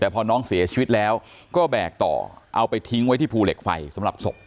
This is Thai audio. แต่พอน้องเสียชีวิตแล้วก็แบกต่อเอาไปทิ้งไว้ที่ภูเหล็กไฟสำหรับศพ